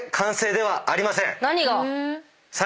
何が？